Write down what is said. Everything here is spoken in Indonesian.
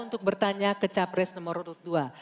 untuk bertanya ke capres nomor urut dua